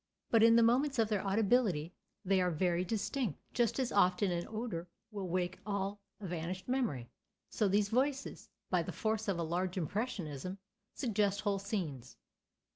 But in the moments of their audibility they are very distinct. Just as often an odor will wake all a vanished memory, so these voices, by the force of a large impressionism, suggest whole scenes.